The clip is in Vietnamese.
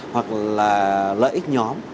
hoặc là lợi ích nhóm